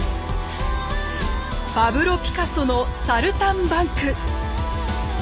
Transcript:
パブロ・ピカソの「サルタンバンク」。